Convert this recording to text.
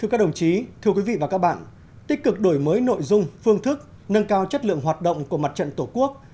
các đồng chí thưa quý vị và các bạn tích cực đổi mới nội dung phương thức nâng cao chất lượng hoạt động của mặt trận tổ quốc